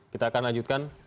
kita akan lanjutkan